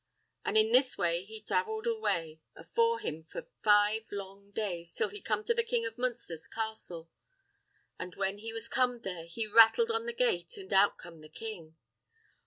An' in this way he thraveled away afore him for five long days till he come to the King of Munsther's castle. And when he was comed there he rattled on the gate, an' out come the king.